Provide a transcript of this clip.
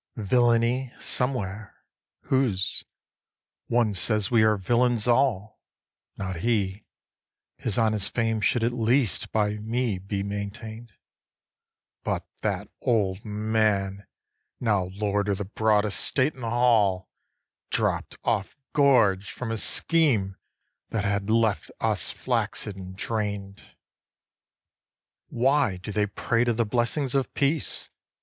5. Villainy somewhere! whose? One says, we are villains all. Not he: his honest fame should at least by me be maintained: But that old man, now lord of the broad estate and the Hall, Dropt off gorged from a scheme that had left us flaccid and drain'd. 6. Why do they prate of the blessings of Peace?